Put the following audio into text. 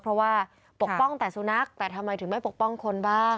เพราะว่าปกป้องแต่สุนัขแต่ทำไมถึงไม่ปกป้องคนบ้าง